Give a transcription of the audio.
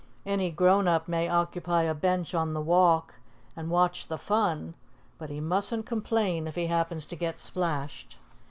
Any grown person may occupy a bench on the walk and watch the fun, but he mustn't complain if he happens to get splashed.